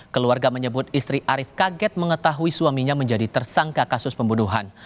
keluarga menyebut istri arief kaget mengetahui suaminya menjadi tersangka kasus pembunuhan